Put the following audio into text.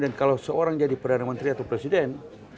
dan kalau seorang jadi perdana menteri atau presiden